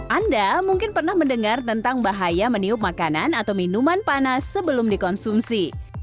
anda mungkin pernah mendengar tentang bahaya meniup makanan atau minuman panas sebelum dikonsumsi